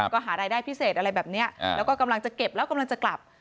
ก็หารายได้พิเศษอะไรแบบนี้แล้วก็กำลังจะเก็บแล้วกำลังจะกลับ